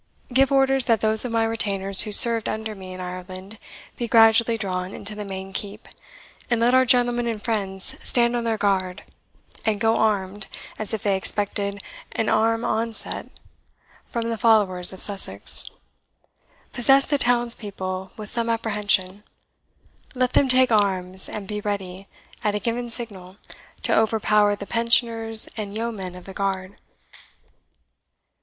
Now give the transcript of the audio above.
Give orders that those of my retainers who served under me in Ireland be gradually drawn into the main Keep, and let our gentlemen and friends stand on their guard, and go armed, as if they expected arm onset from the followers of Sussex. Possess the townspeople with some apprehension; let them take arms, and be ready, at a given signal, to overpower the Pensioners and Yeomen of the Guard."